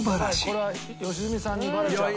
やばいこれは良純さんにバレちゃう。